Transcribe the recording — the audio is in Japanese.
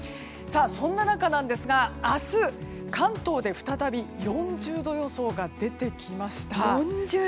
そんな中、明日の関東で再び４０度予想が出てきました。